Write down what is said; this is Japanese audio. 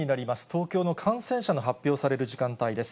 東京の感染者の発表される時間帯です。